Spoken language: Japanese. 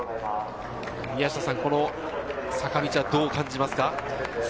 宮下さん、坂道はどう感じますか？